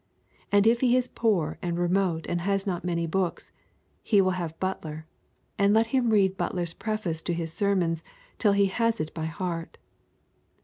And if he is poor and remote and has not many books, he will have Butler, and let him read Butler's Preface to his Sermons till he has it by heart.